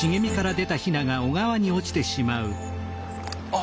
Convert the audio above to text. あ！